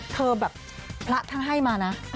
แบบพระท่านให้มานะ